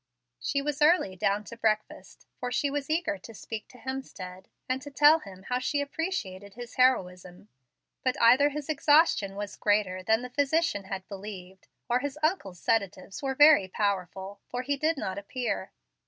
She was early down to breakfast, for she was eager to speak to Hemstead, and tell him how she appreciated his heroism. But either his exhaustion was greater than the physician had believed, or his uncle's sedatives were very powerful, for he did not appear.